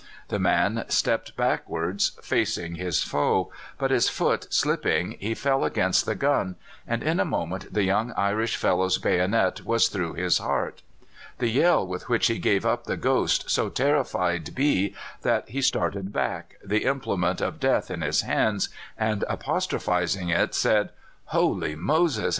"The man stepped backwards, facing his foe; but his foot slipping, he fell against the gun, and in a moment the young Irish fellow's bayonet was through his heart. The yell with which he gave up the ghost so terrified B that he started back, the implement of death in his hands, and, apostrophizing it, said, 'Holy Moses!